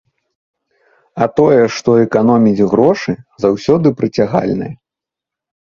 А тое, што эканоміць грошы, заўсёды прыцягальнае.